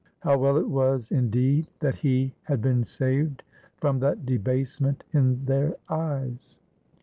How well it was, indeed, that he had been saved from that debasement in their eyes.